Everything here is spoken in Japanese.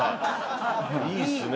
いいっすね。